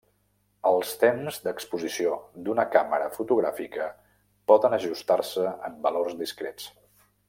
Els temps d'exposició d'una càmera fotogràfica poden ajustar-se en valors discrets.